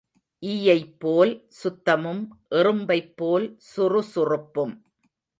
ஈயைப் போல் சுத்தமும் எறும்பைப்போல் சுறுசுறுப்பும்.